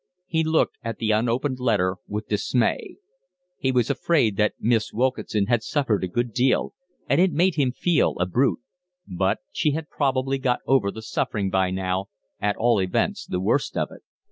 He looked at the unopened letter with dismay. He was afraid that Miss Wilkinson had suffered a good deal, and it made him feel a brute; but she had probably got over the suffering by now, at all events the worst of it.